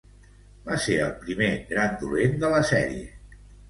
Va ser el primer gran dolent de la sèrie.